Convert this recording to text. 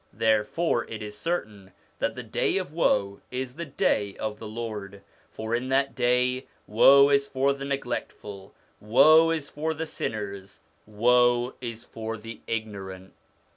Therefore it is certain that the day of woe is the day of the Lord ; for in that day woe is for the neglectful, woe is for the sinners, woe is for the ignorant.